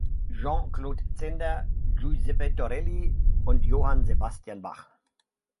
Jean-Claude Zehnder, Giuseppe Torelli und Johann Sebastian Bach.